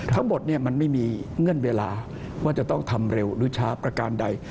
ทั้งหมดมันไม่มีเงื่อนเวลาว่าจะต้องทำเร็วหรือช้าประการใด